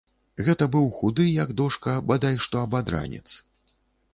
Гэта быў худы, як дошка, бадай што абадранец.